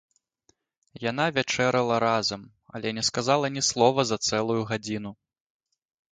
Яна вячэрала разам, але не сказала ні слова за цэлую гадзіну.